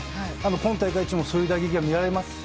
今大会でもそういう打球が見られますし